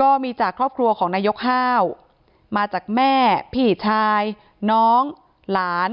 ก็มีจากครอบครัวของนายกห้าวมาจากแม่พี่ชายน้องหลาน